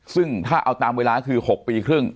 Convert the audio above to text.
ซึ่งถ้าเอาตามเวลาคือ๖ปีครึ่ง